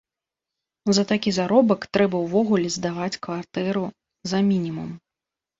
За такі заробак трэба ўвогуле здаваць кватэру за мінімум.